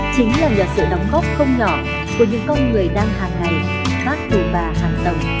cảm ơn sự quan tâm theo dõi của quý vị và các bạn